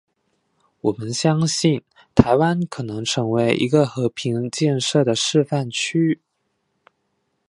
我们相信台湾可能成为一个和平建设的示范区。